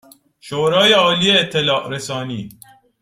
شورای عالی اطلاع رسانی